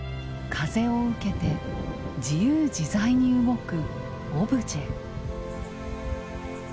風を受けて自由自在に動くオブジェ。